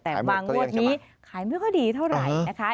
แต่มางวดนี้ขายไม่ค่อยดีเท่าไหร่นะคะ